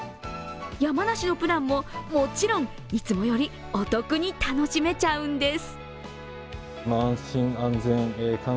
山梨のプランももちろん、いつもよりお得に楽しめちゃうんです。